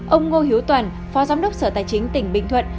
ông ngô hiếu toàn phó giám đốc sở tài chính tỉnh bình thuận